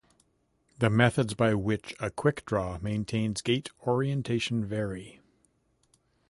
The methods by which a quickdraw maintains gate orientation vary.